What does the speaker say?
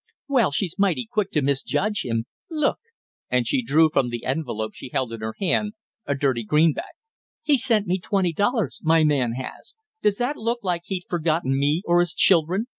"Well, she's mighty quick to misjudge him! Look!" and she drew from the envelope she held in her hand a dirty greenback. "He's sent me twenty dollars my man has! Does that look like he'd forgotten me or his children?"